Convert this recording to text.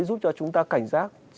giúp cho chúng ta cảnh giác